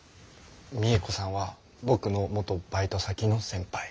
未映子さんは僕の元バイト先の先輩。